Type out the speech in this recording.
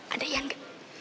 ada ian kan